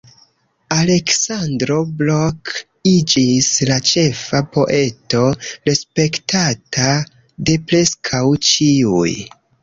Aleksandro Blok iĝis la ĉefa poeto, respektata de preskaŭ ĉiuj.